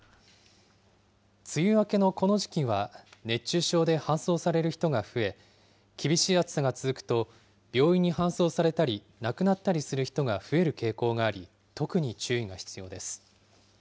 梅雨明けのこの時期は熱中症で搬送される人が増え、厳しい暑さが続くと、病院に搬送されたり、亡くなったりする人が増える傾向があり、特に注意が必要です。